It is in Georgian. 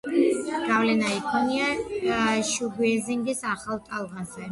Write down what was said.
გავლენა იქონია შუგეიზინგის ახალ ტალღაზე.